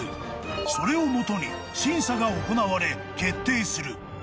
［それを基に審査が行われ決定する］